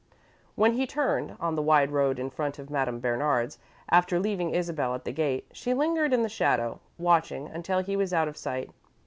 When he turned, on the wide road in front of Madame Bernard's, after leaving Isabel at the gate, she lingered in the shadow, watching, until he was out of sight.